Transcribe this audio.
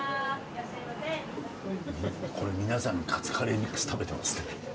これ皆さんカツカレーミックス食べてますね。